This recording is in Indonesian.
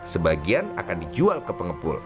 sebagian akan dijual ke pengepul